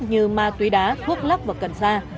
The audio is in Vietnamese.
như ma túy đá thuốc lắp và cần sa